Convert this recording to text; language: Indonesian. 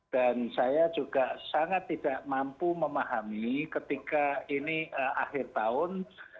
dan saya juga sangat tidak mampu memahami ketika ini akhir tahun